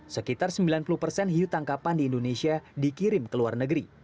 sekitar sembilan puluh persen hiu tangkapan di indonesia dikirim ke luar negeri